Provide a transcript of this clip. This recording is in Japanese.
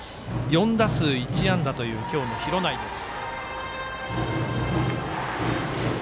４打数１安打という今日の廣内です。